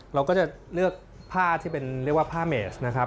เราก็จะเลือกผ้าที่เป็นเรียกว่าผ้าเมสนะครับ